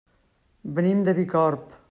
Venim de Bicorb.